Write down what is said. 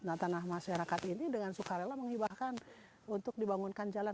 nah tanah masyarakat ini dengan suka rela menghibahkan untuk dibangunkan jalan